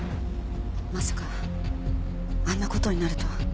まさかあんな事になるとは。